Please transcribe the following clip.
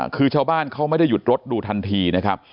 คือชาวบ้านเขาไม่ได้หยุดรถดูทันทีนะครับ